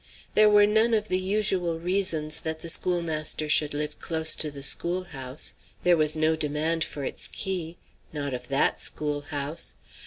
There were none of the usual reasons that the schoolmaster should live close to the schoolhouse. There was no demand for its key. Not of that schoolhouse!